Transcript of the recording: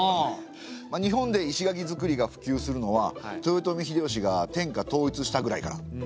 日本で石垣づくりがふきゅうするのは豊臣秀吉が天下統一したぐらいから。